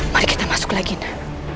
mari kita masuk lagi nga